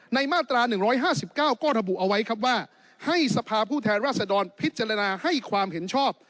ในมาตราหนึ่งร้อยห้าสิบเก้าก็ระบุเอาไว้ครับว่าให้สภาพผู้แทนรัฐศดรพิจารณาให้ความเห็นชอบ